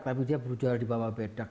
tapi dia berjual di bawah bedak